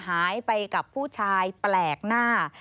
หายไปกับผู้ชายแปลกหน้า